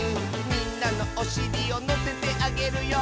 「みんなのおしりをのせてあげるよ」